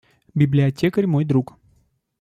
Библиотекарь мой друг.